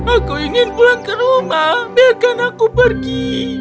aku ingin pulang ke rumah biarkan aku pergi